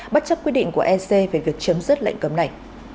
bất chấp quyết định của ec về việc chấm dứt lệnh cấm này